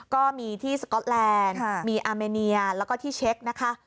ก็มีที่สก๊อตแลนด์มีอาเมเนียแล้วก็ที่เช็คนะคะ